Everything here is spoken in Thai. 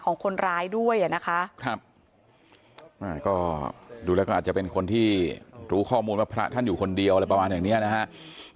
ก็ดูแล้วก็อาจจะเป็นคนที่รู้ข้อมูลว่าพระท่านอยู่คนเดียวอะไรประมาณอย่างนี้นะคะ